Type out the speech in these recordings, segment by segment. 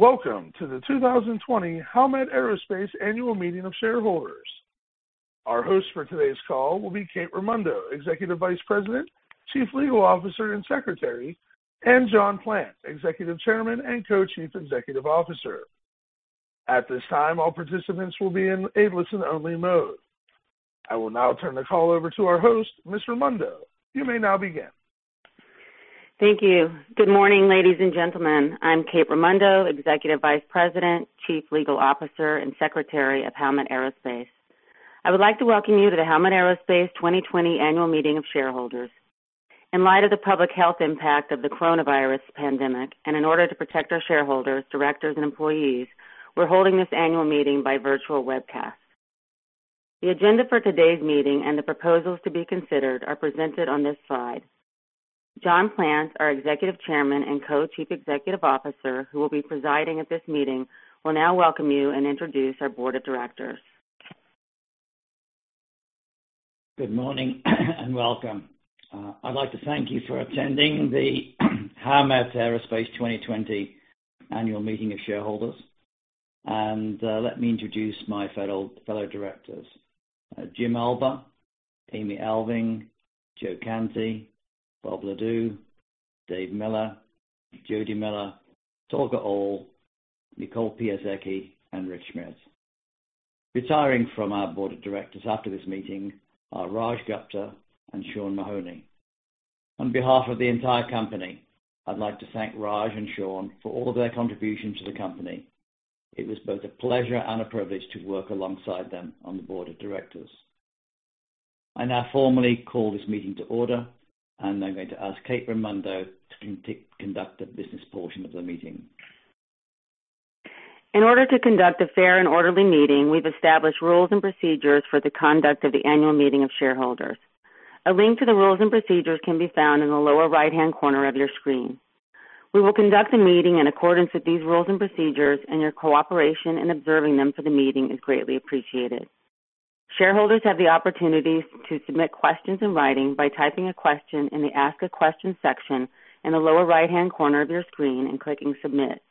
Welcome to the 2020 Howmet Aerospace Annual Meeting of Shareholders. Our hosts for today's call will be Kate Raimondo, Executive Vice President, Chief Legal Officer and Secretary, and John Plant, Executive Chairman and Co-Chief Executive Officer. At this time, all participants will be in a listen only mode. I will now turn the call over to our host, Ms. Raimondo. You may now begin. Thank you. Good morning, ladies and gentlemen. I'm Kate Raimondo, Executive Vice President, Chief Legal Officer, and Secretary of Howmet Aerospace. I would like to welcome you to the Howmet Aerospace 2020 Annual Meeting of Shareholders. In light of the public health impact of the coronavirus pandemic and in order to protect our shareholders, directors, and employees, we're holding this annual meeting by virtual webcast. The agenda for today's meeting and the proposals to be considered are presented on this slide. John Plant, our Executive Chairman and Co-Chief Executive Officer, who will be presiding at this meeting, will now welcome you and introduce our Board of Directors. Good morning and welcome. I'd like to thank you for attending the Howmet Aerospace 2020 Annual Meeting of Shareholders, and let me introduce my fellow directors: Jim Albaugh, Amy Alving, Joe Cantie, Bob Leduc, Dave Miller, Jody Miller, Tolga Onal, Nicole Piasecki, and Rich Schmidt. Retiring from our Board of Directors after this meeting are Raj Gupta and Sean Mahoney. On behalf of the entire company, I'd like to thank Raj and Sean for all of their contributions to the company. It was both a pleasure and a privilege to work alongside them on the Board of Directors. I now formally call this meeting to order, and I'm going to ask Kate Raimondo to conduct the business portion of the meeting. In order to conduct a fair and orderly meeting, we've established rules and procedures for the conduct of the Annual Meeting of Shareholders. A link to the rules and procedures can be found in the lower right-hand corner of your screen. We will conduct the meeting in accordance with these rules and procedures, and your cooperation in observing them for the meeting is greatly appreciated. Shareholders have the opportunity to submit questions in writing by typing a question in the ask a question section in the lower right-hand corner of your screen and clicking submit.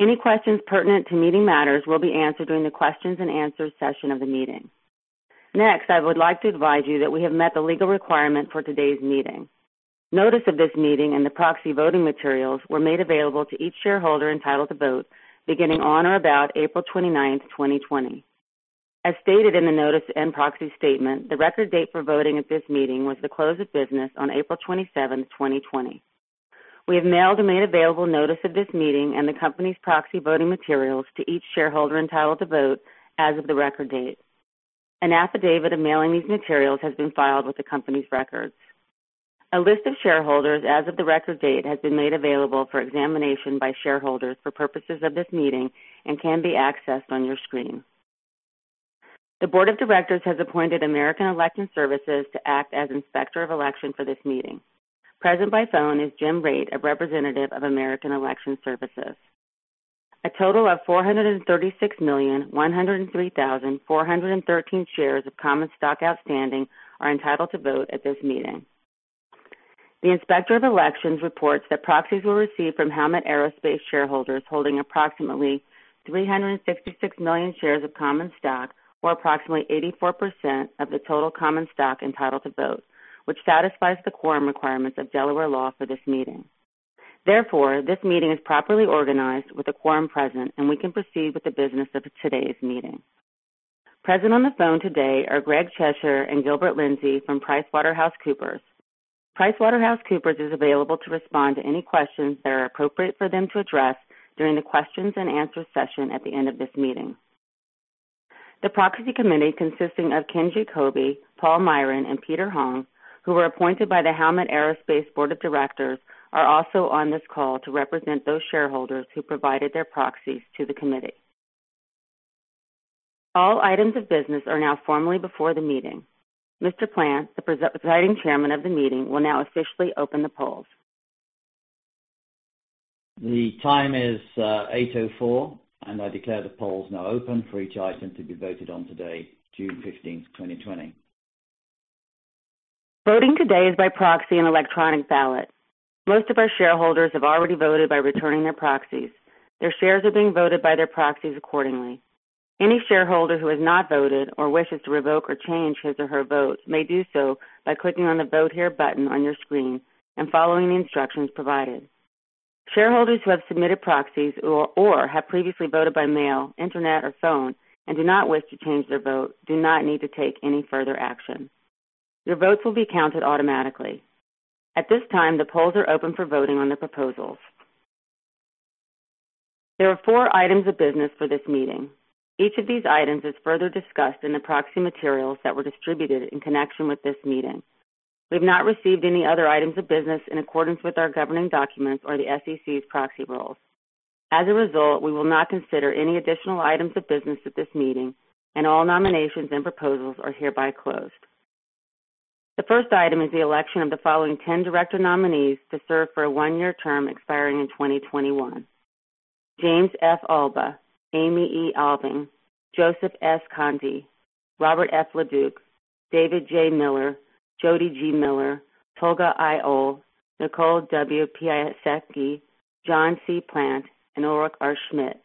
Any questions pertinent to meeting matters will be answered during the questions and answers session of the meeting. Next, I would like to advise you that we have met the legal requirement for today's meeting. Notice of this meeting and the proxy voting materials were made available to each shareholder entitled to vote beginning on or about April 29, 2020. As stated in the notice and proxy statement, the record date for voting at this meeting was the close of business on April 27, 2020. We have mailed and made available notice of this meeting and the company's proxy voting materials to each shareholder entitled to vote as of the record date. An affidavit of mailing these materials has been filed with the company's records. A list of shareholders as of the record date has been made available for examination by shareholders for purposes of this meeting and can be accessed on your screen. The Board of Directors has appointed American Election Services to act as inspector of election for this meeting. Present by phone is Jim Raith, a representative of American Election Services. A total of 436,103,413 shares of common stock outstanding are entitled to vote at this meeting. The inspector of election reports that proxies were received from Howmet Aerospace shareholders holding approximately 366 million shares of common stock, or approximately 84% of the total common stock entitled to vote, which satisfies the quorum requirements of Delaware law for this meeting. Therefore, this meeting is properly organized with the quorum present, and we can proceed with the business of today's meeting. Present on the phone today are Greg Cheshier and Gilbert Lindsey from PricewaterhouseCoopers. PricewaterhouseCoopers is available to respond to any questions that are appropriate for them to address during the questions and answers session at the end of this meeting. The proxy committee consisting of Ken Giacobbe, Paul Myron, and Peter Hong, who were appointed by the Howmet Aerospace Board of Directors, are also on this call to represent those shareholders who provided their proxies to the committee. All items of business are now formally before the meeting. Mr. Plant, the presiding chairman of the meeting, will now officially open the polls. The time is 8:04 A.M. and I declare the polls now open for each item to be voted on today, June 15, 2020. Voting today is by proxy and electronic ballot. Most of our shareholders have already voted by returning their proxies. Their shares are being voted by their proxies accordingly. Any shareholder who has not voted or wishes to revoke or change his or her vote may do so by clicking on the vote here button on your screen and following the instructions provided. Shareholders who have submitted proxies or have previously voted by mail, internet, or phone and do not wish to change their vote do not need to take any further action. Your votes will be counted automatically. At this time, the polls are open for voting on the proposals. There are four items of business for this meeting. Each of these items is further discussed in the proxy materials that were distributed in connection with this meeting. We have not received any other items of business in accordance with our governing documents or the SEC's proxy rules. As a result, we will not consider any additional items of business at this meeting, and all nominations and proposals are hereby closed. The first item is the election of the following 10 director nominees to serve for a one-year term expiring in 2021: James F. Albaugh, Amy E. Alving, Joseph S. Cantie, Robert F. Leduc, David J. Miller, Jody G. Miller, Tolga I. Onal, Nicole W. Piasecki, John C. Plant, and Ulrich R. Schmidt.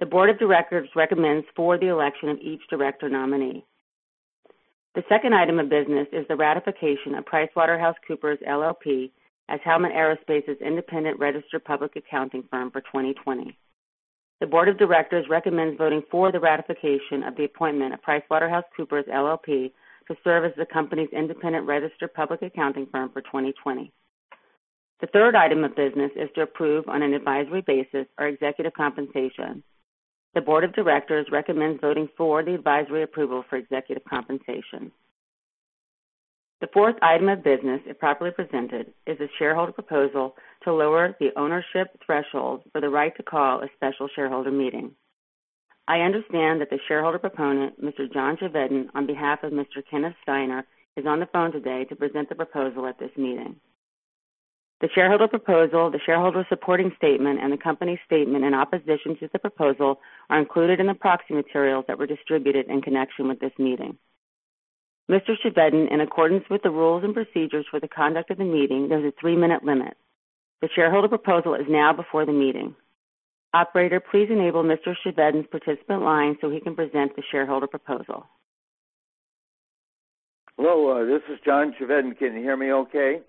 The Board of Directors recommends for the election of each director nominee. The second item of business is the ratification of PricewaterhouseCoopers LLP as Howmet Aerospace's independent registered public accounting firm for 2020. The Board of Directors recommends voting for the ratification of the appointment of PricewaterhouseCoopers LLP to serve as the company's independent registered public accounting firm for 2020. The third item of business is to approve on an advisory basis our executive compensation. The Board of Directors recommends voting for the advisory approval for executive compensation. The fourth item of business, if properly presented, is the shareholder proposal to lower the ownership threshold for the right to call a special shareholder meeting. I understand that the shareholder proponent, Mr. John Chevedden, on behalf of Mr. Kenneth Steiner, is on the phone today to present the proposal at this meeting. The shareholder proposal, the shareholder supporting statement, and the company's statement in opposition to the proposal are included in the proxy materials that were distributed in connection with this meeting. Mr. Chevedden, in accordance with the rules and procedures for the conduct of the meeting, there is a three-minute limit. The shareholder proposal is now before the meeting. Operator, please enable Mr. Chevedden's participant line so he can present the shareholder proposal. Hello. This is John Chevedden. Can you hear me okay?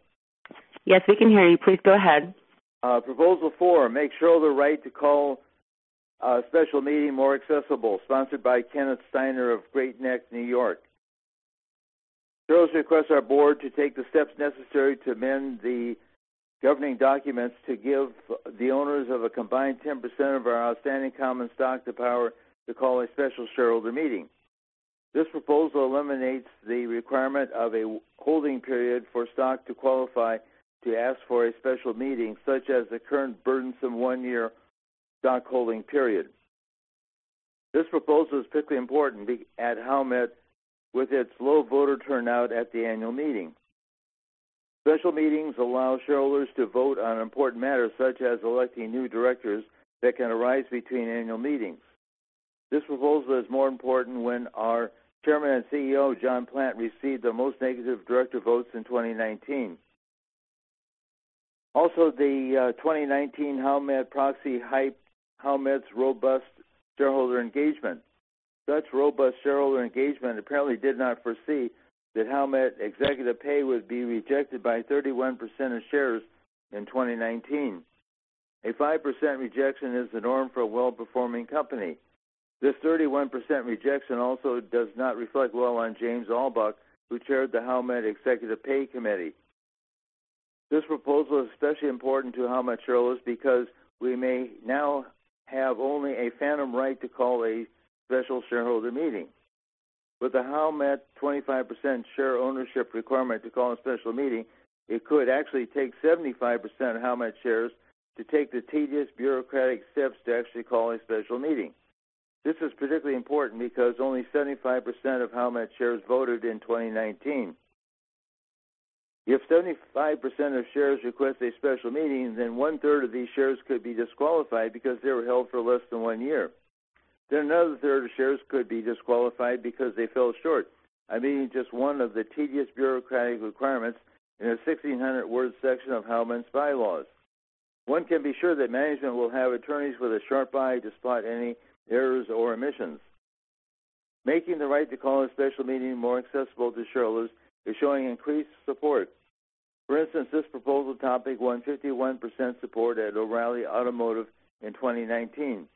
Yes, we can hear you. Please go ahead. Proposal four: Make shareholder right to call a special meeting more accessible, sponsored by Kenneth Steiner of Great Neck, New York. Shareholders request our board to take the steps necessary to amend the governing documents to give the owners of a combined 10% of our outstanding common stock the power to call a special shareholder meeting. This proposal eliminates the requirement of a holding period for stock to qualify to ask for a special meeting, such as the current burdensome one-year stock holding period. This proposal is particularly important at Howmet with its low voter turnout at the annual meeting. Special meetings allow shareholders to vote on important matters, such as electing new directors that can arise between annual meetings. This proposal is more important when our Chairman and CEO, John Plant, received the most negative director votes in 2019. Also, the 2019 Howmet proxy hyped Howmet's robust shareholder engagement. Such robust shareholder engagement apparently did not foresee that Howmet executive pay would be rejected by 31% of shares in 2019. A 5% rejection is the norm for a well-performing company. This 31% rejection also does not reflect well on James Albaugh, who chaired the Howmet executive pay committee. This proposal is especially important to Howmet shareholders because we may now have only a phantom right to call a special shareholder meeting. With the Howmet 25% share ownership requirement to call a special meeting, it could actually take 75% of Howmet shares to take the tedious bureaucratic steps to actually call a special meeting. This is particularly important because only 75% of Howmet shares voted in 2019. If 75% of shares request a special meeting, then one-third of these shares could be disqualified because they were held for less than one year. Then another third of shares could be disqualified because they fell short, I mean just one of the tedious bureaucratic requirements in a 1,600-word section of Howmet's bylaws. One can be sure that management will have attorneys with a sharp eye to spot any errors or omissions. Making the right to call a special meeting more accessible to shareholders is showing increased support. For instance, this proposal topped 151% support at O'Reilly Automotive in 2019.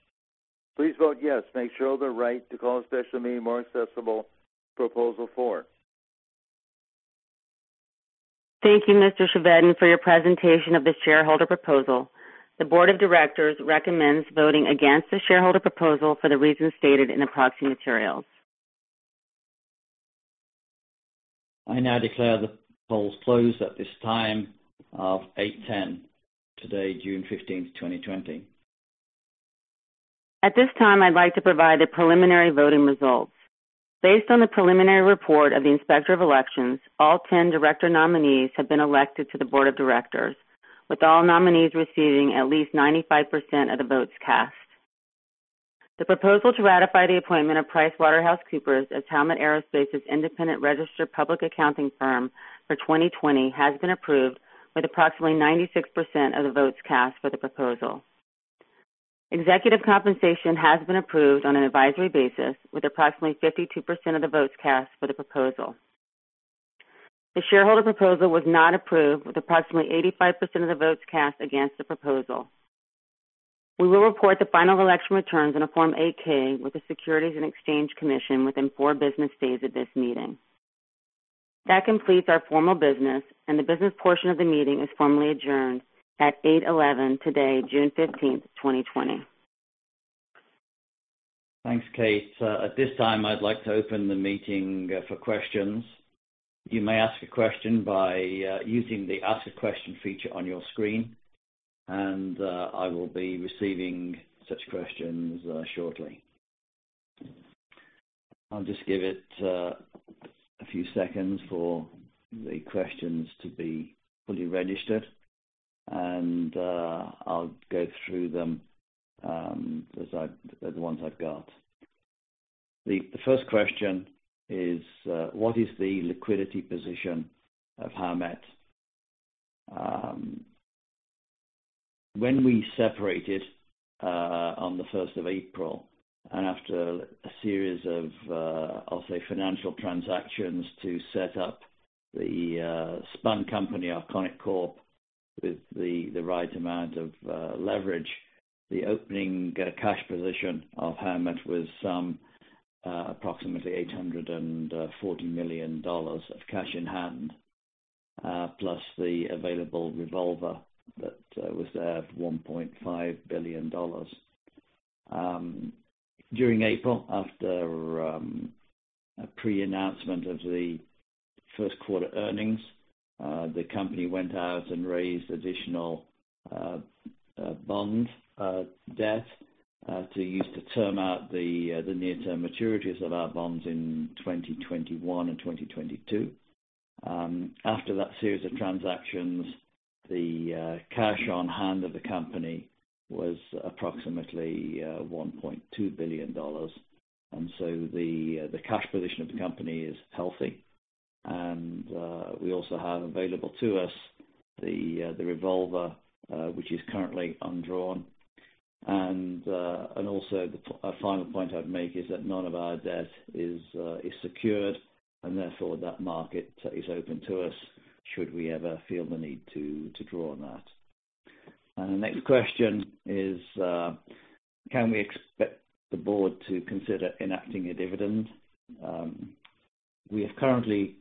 Please vote yes to make shareholder right to call a special meeting more accessible. Proposal four. Thank you, Mr. Chevedden, for your presentation of this shareholder proposal. The Board of Directors recommends voting against the shareholder proposal for the reasons stated in the proxy materials. I now declare the polls closed at this time of 8:10 A.M. today, June 15, 2020. At this time, I'd like to provide the preliminary voting results. Based on the preliminary report of the inspector of elections, all 10 director nominees have been elected to the Board of Directors, with all nominees receiving at least 95% of the votes cast. The proposal to ratify the appointment of PricewaterhouseCoopers as Howmet Aerospace's independent registered public accounting firm for 2020 has been approved with approximately 96% of the votes cast for the proposal. Executive compensation has been approved on an advisory basis with approximately 52% of the votes cast for the proposal. The shareholder proposal was not approved with approximately 85% of the votes cast against the proposal. We will report the final election returns in a Form 8-K with the Securities and Exchange Commission within four business days of this meeting. That completes our formal business, and the business portion of the meeting is formally adjourned at 8:11 A.M. today, June 15, 2020. Thanks, Kate. At this time, I'd like to open the meeting for questions. You may ask a question by using the Ask a Question feature on your screen, and I will be receiving such questions shortly. I'll just give it a few seconds for the questions to be fully registered, and I'll go through them as the ones I've got. The first question is, what is the liquidity position of Howmet? When we separated on the 1st of April and after a series of, I'll say, financial transactions to set up the spun company Arconic Corp with the right amount of leverage, the opening cash position of Howmet was some approximately $840 million of cash in hand, plus the available revolver that was there of $1.5 billion. During April, after a pre-announcement of the first quarter earnings, the company went out and raised additional bond debt to use to term out the near-term maturities of our bonds in 2021 and 2022. After that series of transactions, the cash on hand of the company was approximately $1.2 billion, and so the cash position of the company is healthy, and we also have available to us the revolver, which is currently undrawn, and also, a final point I'd make is that none of our debt is secured, and therefore that market is open to us should we ever feel the need to draw on that. And the next question is, can we expect the board to consider enacting a dividend? We have currently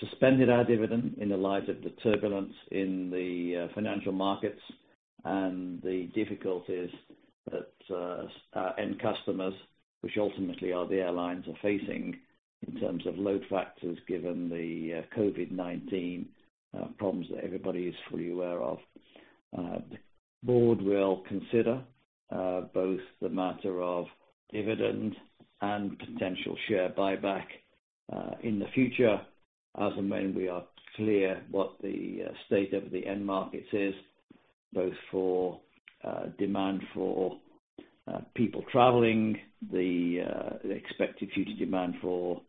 suspended our dividend in the light of the turbulence in the financial markets and the difficulties that end customers, which ultimately are the airlines, are facing in terms of load factors given the COVID-19 problems that everybody is fully aware of. The Board will consider both the matter of dividend and potential share buyback in the future as and when we are clear what the state of the end markets is, both for demand for people traveling, the expected future demand for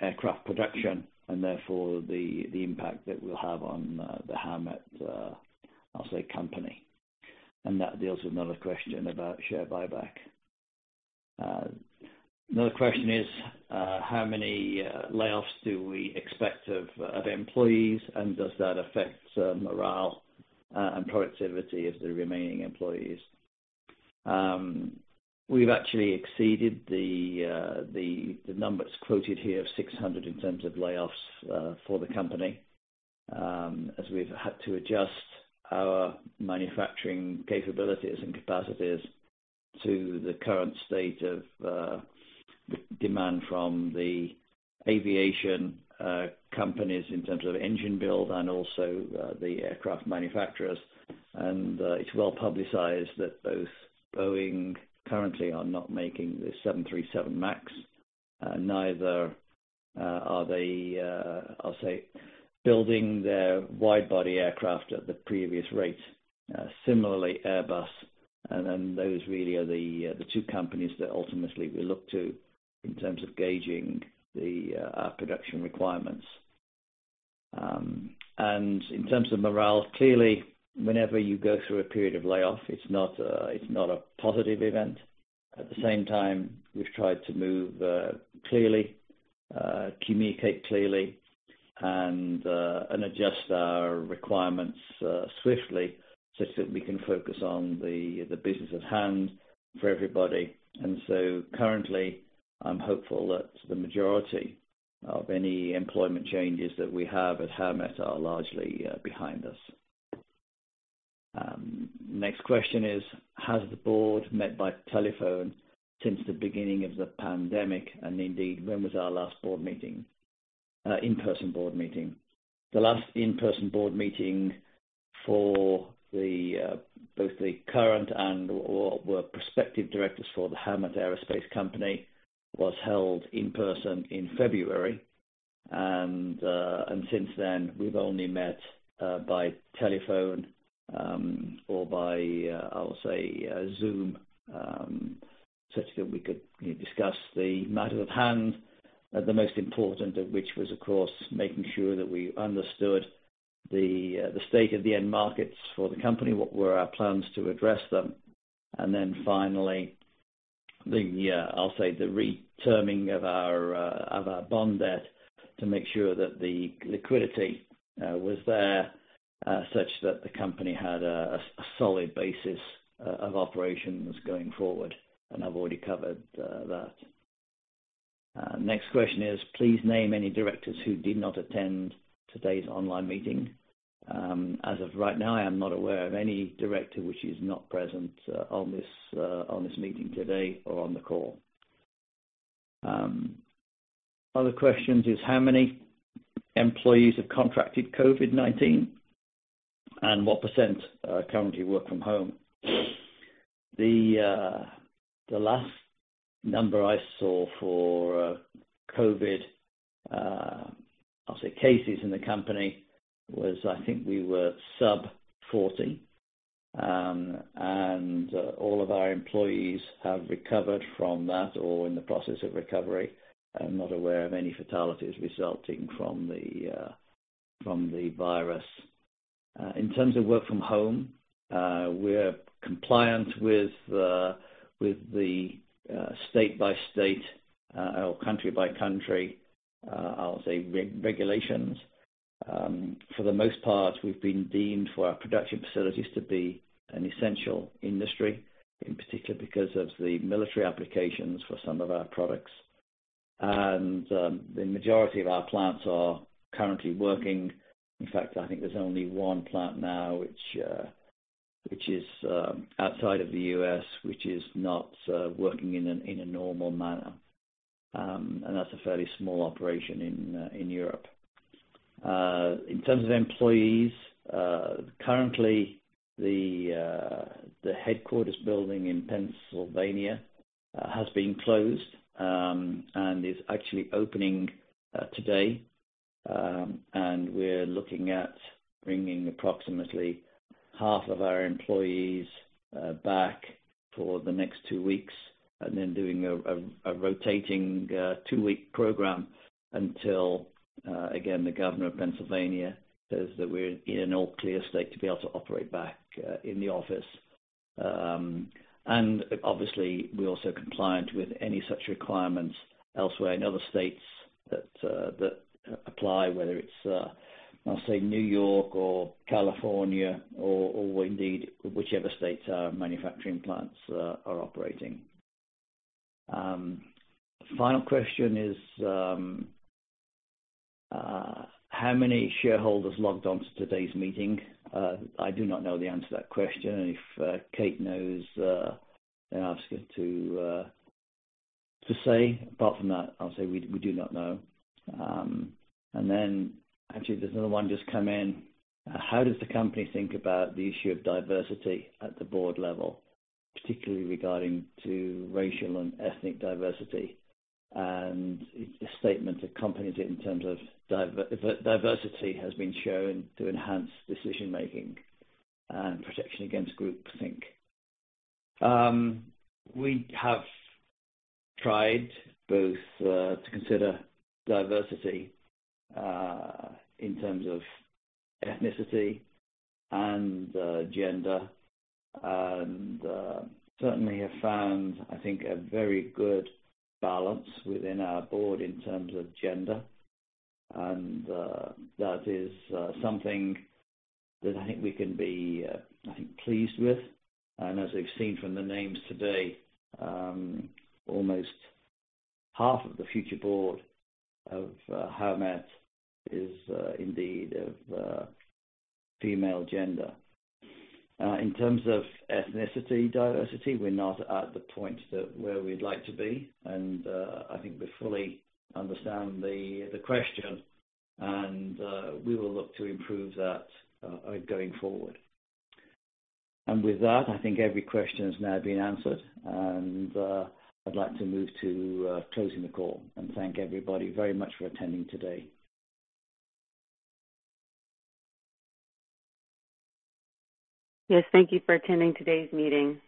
aircraft production, and therefore the impact that will have on the Howmet company. And that deals with another question about share buyback. Another question is, how many layoffs do we expect of employees, and does that affect morale and productivity of the remaining employees? We've actually exceeded the number that's quoted here of 600 in terms of layoffs for the company as we've had to adjust our manufacturing capabilities and capacities to the current state of demand from the aviation companies in terms of engine build and also the aircraft manufacturers, and it's well publicized that both Boeing currently are not making the 737 MAX, neither are they, I'll say, building their widebody aircraft at the previous rate, similarly Airbus, and then those really are the two companies that ultimately we look to in terms of gauging the production requirements. And in terms of morale, clearly, whenever you go through a period of layoff, it's not a positive event, at the same time, we've tried to move clearly, communicate clearly, and adjust our requirements swiftly such that we can focus on the business at hand for everybody. And so currently, I'm hopeful that the majority of any employment changes that we have at Howmet are largely behind us. Next question is, has the board met by telephone since the beginning of the pandemic? And indeed, when was our last board meeting, in-person board meeting? The last in-person board meeting for both the current and what were prospective directors for the Howmet Aerospace Company was held in person in February. And since then, we've only met by telephone or by, I'll say, Zoom such that we could discuss the matter at hand, the most important of which was, of course, making sure that we understood the state of the end markets for the company, what were our plans to address them. And then finally, I'll say the re-terming of our bond debt to make sure that the liquidity was there such that the company had a solid basis of operations going forward. And I've already covered that. Next question is, please name any directors who did not attend today's online meeting. As of right now, I am not aware of any director which is not present on this meeting today or on the call. Other questions is, how many employees have contracted COVID-19 and what % currently work from home? The last number I saw for COVID, I'll say, cases in the company was I think we were sub-40. And all of our employees have recovered from that or in the process of recovery. I'm not aware of any fatalities resulting from the virus. In terms of work from home, we're compliant with the state-by-state or country-by-country, I'll say, regulations. For the most part, we've been deemed for our production facilities to be an essential industry, in particular because of the military applications for some of our products. And the majority of our plants are currently working. In fact, I think there's only one plant now which is outside of the U.S., which is not working in a normal manner. And that's a fairly small operation in Europe. In terms of employees, currently, the headquarters building in Pennsylvania has been closed and is actually opening today. And we're looking at bringing approximately half of our employees back for the next two weeks and then doing a rotating two-week program until, again, the Governor of Pennsylvania says that we're in an all-clear state to be able to operate back in the office. And obviously, we're also compliant with any such requirements elsewhere in other states that apply, whether it's, I'll say, New York or California or indeed whichever States our manufacturing plants are operating. Final question is, how many shareholders logged on to today's meeting? I do not know the answer to that question. And if Kate knows, then I'll ask her to say. Apart from that, I'll say we do not know. And then actually, there's another one just come in. How does the company think about the issue of diversity at the board level, particularly regarding racial and ethnic diversity? And the statement accompanies it in terms of diversity has been shown to enhance decision-making and protection against group think. We have tried both to consider diversity in terms of ethnicity and gender and certainly have found, I think, a very good balance within our board in terms of gender. And that is something that I think we can be, I think, pleased with. And as we've seen from the names today, almost half of the future Board of Howmet is indeed of female gender. In terms of ethnicity diversity, we're not at the point where we'd like to be. And I think we fully understand the question, and we will look to improve that going forward. And with that, I think every question has now been answered. And I'd like to move to closing the call and thank everybody very much for attending today. Yes, thank you for attending today's meeting.